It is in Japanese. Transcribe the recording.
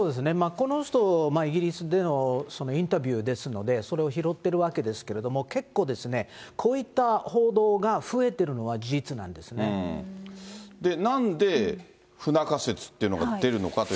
この人、イギリスでのインタビューですので、それを拾ってるわけですけれども、結構、こういった報道が増えてるなんで不仲説っていうのが出